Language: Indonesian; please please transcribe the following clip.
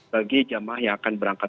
bagi jemaah yang akan berangkat